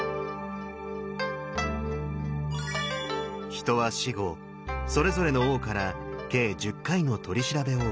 人は死後それぞれの王から計１０回の取り調べを受けます。